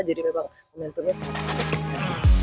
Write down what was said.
jadi memang momentumnya sangat luar biasa sekali